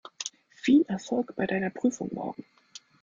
Viel Erfolg bei deiner Prüfung morgen!